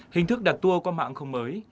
hình thức đặt tour qua mạng không mới